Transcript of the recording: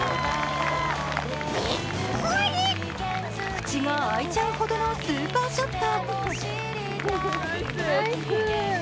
口が開いちゃうほどのスーパーショット。